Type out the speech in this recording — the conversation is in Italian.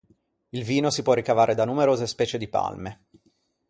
Il vino si può ricavare da numerose specie di palme.